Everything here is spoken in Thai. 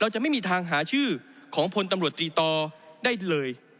จะไม่มีทางหาชื่อของพลตำรวจตีตอได้เลย